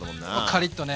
カリッとね。